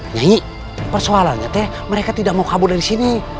nyanyi persoalannya teh mereka tidak mau kabur dari sini